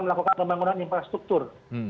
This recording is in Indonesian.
melakukan pembangunan infrastruktur